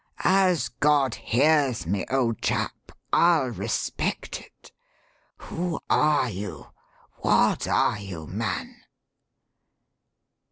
As God hears me, old chap, I'll respect it. Who are you? What are you, man?"